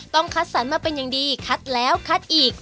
คัดสรรมาเป็นอย่างดีคัดแล้วคัดอีก